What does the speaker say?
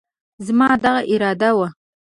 زما دغه اراده وه،